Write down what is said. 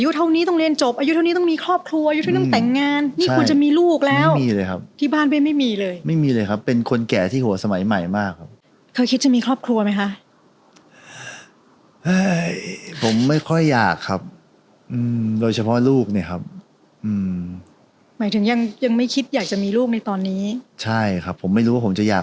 คือบางคนเขาแค่ถามว่าไม่ออกใหม่เหรออันนี้ไม่ว่า